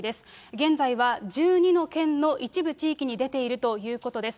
現在は１２の県の一部地域に出ているということです。